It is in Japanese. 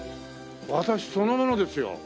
私そのものですよ。